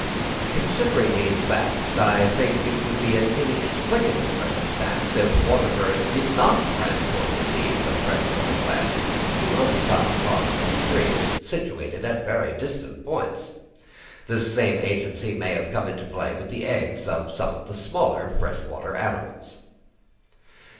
Considering these facts, I think it would be an inexplicable circumstance if water birds did not transport the seeds of fresh water plants to unstocked ponds and streams, situated at very distant points. The same agency may have come into play with the eggs of some of the smaller fresh water animals.